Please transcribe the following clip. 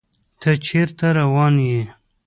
تۀ چېرته روان يې ؟